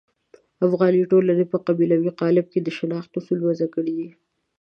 افغاني ټولنې په قبیلوي قالب کې د شناخت اصول وضع کړي دي.